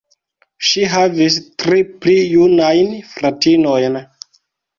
Ŝi havis tri pli junajn fratinojn.